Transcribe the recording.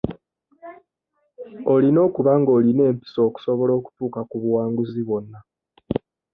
Olina okuba ng'olina empisa okusobola okutuuka ku buwanguzi bwonna